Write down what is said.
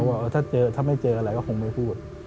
ว่าถ้าไม่เจออะไรก็คงไม่พูด